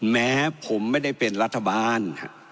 แม้ผมไม่ได้เป็นรัฐบาล